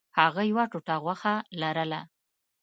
هغه یوه ټوټه غوښه لرله.